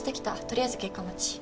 とりあえず結果待ち。